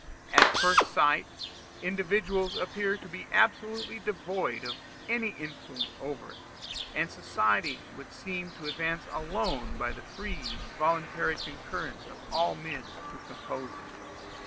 At first sight, individuals appear to be absolutely devoid of any influence over it; and society would seem to advance alone by the free and voluntary concurrence of all the men who compose it.